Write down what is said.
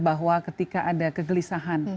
bahwa ketika ada kegelisahan